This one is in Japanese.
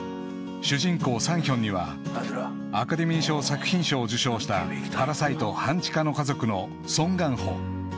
［主人公サンヒョンにはアカデミー賞作品賞を受賞した『パラサイト半地下の家族』のソン・ガンホ］